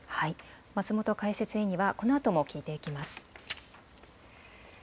松本解説委員にはこのあとも聞いていきます。